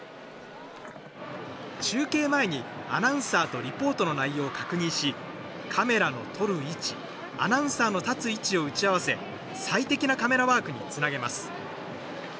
中継前に、アナウンサーとリポートの内容を確認しカメラの撮る位置アナウンサーの立つ位置を打ち合わせ最適なカメラワークにつなげます。